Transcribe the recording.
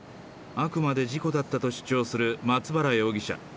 あくまで事故だったと主張する松原容疑者。